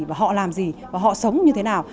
và họ làm gì họ sống như thế nào